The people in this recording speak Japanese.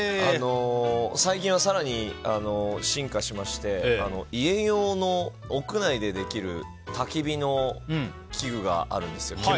最近は、更に進化しまして家用の屋内でできるたき火の器具があるんですよ。